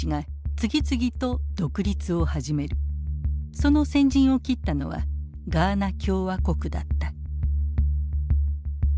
その先陣を切ったのはガーナ共和国だった。